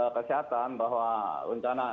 kesehatan bahwa rencana